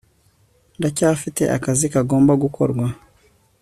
ndacyafite akazi kagomba gukorwa